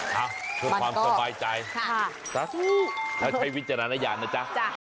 เพื่อความสบายใจใช้วิจารณญาณนะจ๊ะ